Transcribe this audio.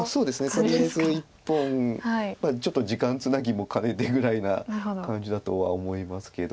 とりあえず１本ちょっと時間つなぎも兼ねてぐらいな感じだとは思いますけど。